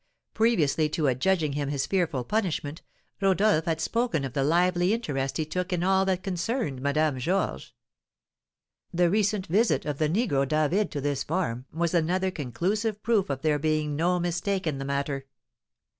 Previously to adjudging him his fearful punishment, Rodolph had spoken of the lively interest he took in all that concerned Madame Georges. The recent visit of the negro David to this farm was another conclusive proof of there being no mistake in the matter.